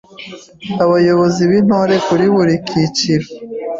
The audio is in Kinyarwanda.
Abayobozi b’Intore; kuri buri kiciro